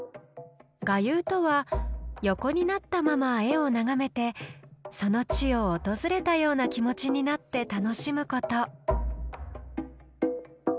「臥遊」とは横になったまま絵を眺めてその地を訪れたような気持ちになって楽しむこと。